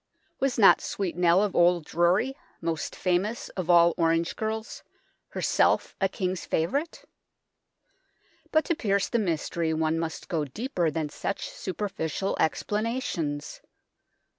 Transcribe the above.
Was not Sweet Nell of Old Drury, most famous of all orange girls, herself a King's favourite ? But to pierce the mystery one must go deeper than such super ficial explanations.